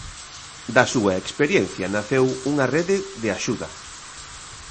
Da súa experiencia naceu unha rede de axuda.